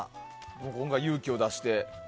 今回、勇気を出して。